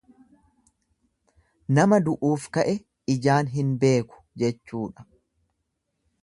Nama du'uuf ka'e ijaan hin beeku jechuudha.